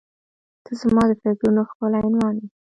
• ته زما د فکرونو ښکلی عنوان یې.